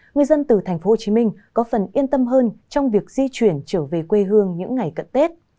người dân từ tp hcm có phần yên tâm hơn trong việc di chuyển trở về quê hương những ngày cận tết